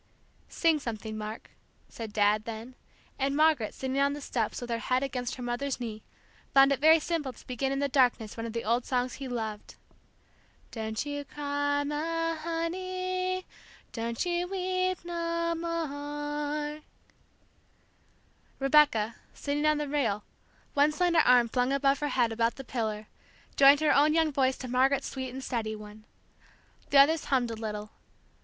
"Sing something, Mark," said Dad, then; and Margaret, sitting on the steps with her head against her mother's knee, found it very simple to begin in the darkness one of the old songs he loved: "Don't you cry, ma honey, Don't you weep no more." Rebecca, sitting on the rail, one slender arm flung above her head about the pillar, joined her own young voice to Margaret's sweet and steady one. The others hummed a little.